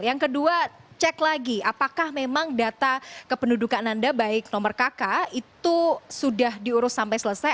yang kedua cek lagi apakah memang data kependudukan anda baik nomor kk itu sudah diurus sampai selesai